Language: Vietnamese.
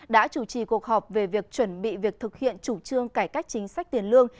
đã chủ trì cuộc họp về việc chuẩn bị việc thực hiện chủ trương cải cách chính sách tiền lương